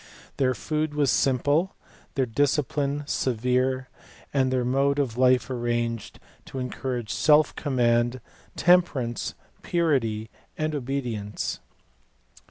Their food was simple ; their discipline severe ; and their mode of life arranged to encourage self command, temperance, purity, and obedience.